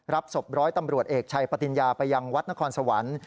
ศพร้อยตำรวจเอกชัยปติญญาไปยังวัดนครสวรรค์